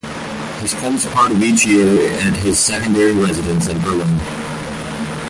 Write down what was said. He spends part of each year at his secondary residence in Berlin.